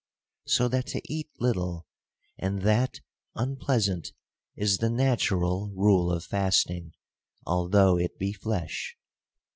So that to eat little, and that unpleasant, is the natural rule of fasting; although it be flesh.